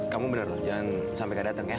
kamu bener loh jangan sampai kak datang ya